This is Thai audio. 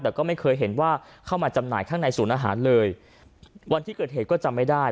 แต่ก็ไม่เคยเห็นว่าเข้ามาจำหน่ายข้างในศูนย์อาหารเลยวันที่เกิดเหตุก็จำไม่ได้